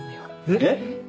えっ？